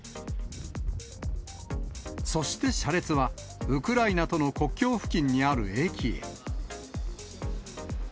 そして車列はウクライナとの国境付近にある駅へ。